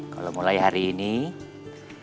kalau mulai hati hati saya akan menerima allah